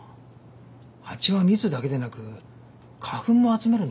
蜂は蜜だけでなく花粉も集めるんですね。